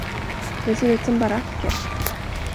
Det ser ut som baracker.